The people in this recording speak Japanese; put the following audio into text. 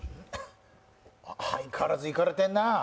相変わらずいかれてんな。